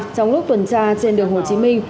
trong lúc tuần tra trên đường hồ chí minh